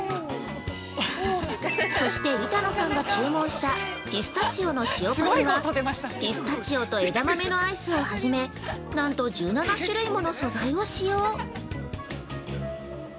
そして板野さんが注文したピスタチオの塩パフェはピスタチオと枝豆のアイスをはじめなんと１７種類もの素材を使用。